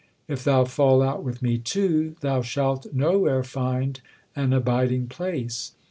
If thou fall out with me too, thou shalt nowhere find an abiding place.